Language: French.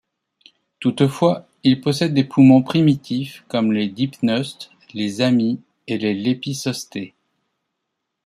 Toutefois, il possède des poumons primitifs, comme les dipneustes, les amies et les lépisostés.